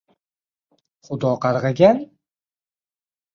— Xudo qarg‘agan?